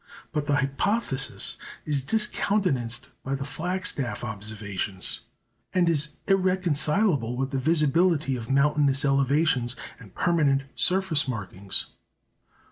But the hypothesis is discountenanced by the Flagstaff observations, and is irreconcilable with the visibility of mountainous elevations, and permanent surface markings.